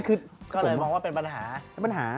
ก็เลยมองว่าเป็นปัญหาและปัญหา